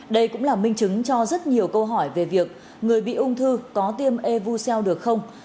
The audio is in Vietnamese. đây cũng là minh chứng cho rất nhiều câu hỏi về việc người bị ung thư có tiêm evu cell được không